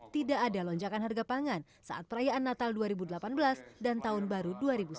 tidak ada lonjakan harga pangan saat perayaan natal dua ribu delapan belas dan tahun baru dua ribu sembilan belas